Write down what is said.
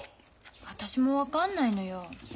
私も分かんないのよ。